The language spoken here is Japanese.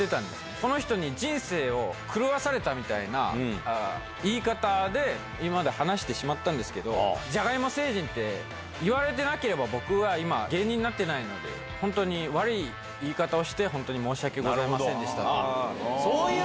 その人に人生を狂わされたみたいな、言い方で、今まで話してしまったんですけど、じゃがいも星人って言われてなければ、僕は今、芸人になってないので、本当に悪い言い方をして本当に申し訳ございませんでしたという。